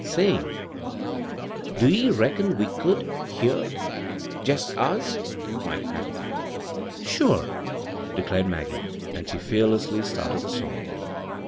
" Sing I Do ye reckon we could here ?— jest us ?" cried Patty. " Sure !" declared Maggie. And she fearlessly started the song.